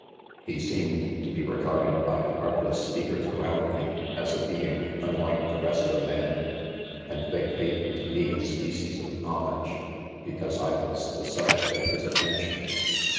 4 He seemed to be regarded by the artless speakers around me, as a being unlike the rest of men $ and they paid to me a species of hom age, because I was the subject of his attention.